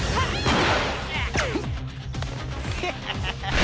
ハハハハハ！